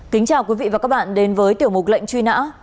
kính chào quý vị và các bạn đến với tiểu mục lệnh truy nã